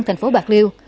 thành phố bạc điêu